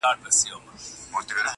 چي د عیش پیمانه نه غواړې نسکوره-